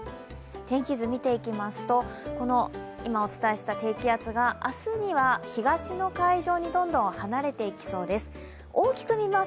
天気図、見ていきますと、この今、お伝えした低気圧が明日には東の海上にどんどん離れていきそうです。